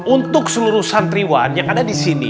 untuk seluruh santriwan yang ada di sini